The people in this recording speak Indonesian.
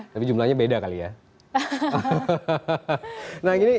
tapi jumlahnya beda kali ya